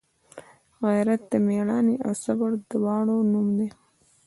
غیرت د میړانې او صبر دواړو نوم دی